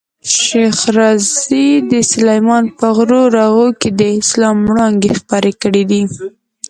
شېخ رضي د سلېمان په غرو رغو کښي د اسلام وړانګي خپرې کړي دي.